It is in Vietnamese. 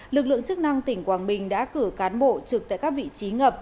lực lượng chức năng tỉnh quảng bình đã cử cán bộ trực tại các vị trí ngập